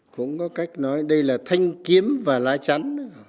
cũng có cách nói đây là thanh kiếm và lá chắn